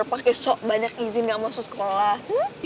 pake sok banyak izin gak masuk sekolah